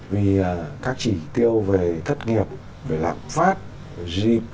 vì các chỉ tiêu về thất nghiệp về lãng phát về gdp ism pmi đều cho người ta một cái nhìn